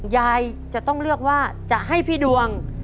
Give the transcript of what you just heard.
ยายจะต้องเลือกว่าจะให้พี่ดวง